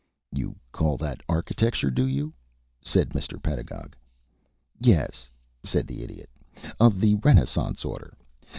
"You call that architecture, do you?" said Mr. Pedagog. "Yes," said the Idiot, "of the renaissance order.